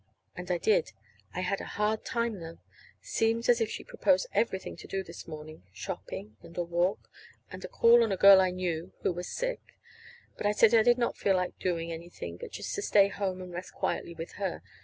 And I did. I had a hard time, though. Seems as if she proposed everything to do this morning shopping, and a walk, and a call on a girl I knew who was sick. But I said I did not feel like doing anything but just to stay at home and rest quietly with her.